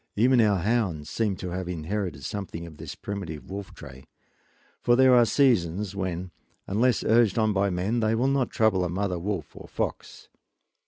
Even our hounds seem to have inherited something of this primitive wolf trait, for there are seasons when, unless urged on by men, they will not trouble a mother wolf or fox.